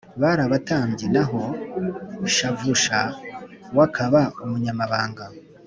bari abatambyi naho Shavusha w akaba umunyamabanga